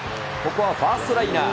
ここはファーストライナー。